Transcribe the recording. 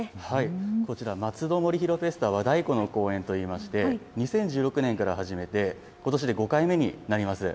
こちら松戸モリヒロフェスタ和太鼓の公演と言いまして２０１６年から初めてことしで５回目になります。